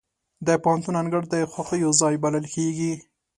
د پوهنتون انګړ د خوښیو ځای بلل کېږي.